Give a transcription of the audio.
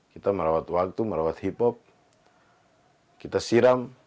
kita merawat waktu merawat hip hop kita siram